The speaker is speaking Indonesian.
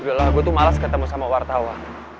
gagalah gue tuh malas ketemu sama wartawa